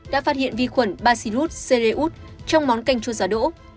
đã phát hiện vi khuẩn bacillus cereus trong món canh chua giá đỗ